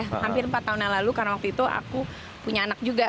hampir empat tahun yang lalu karena waktu itu aku punya anak juga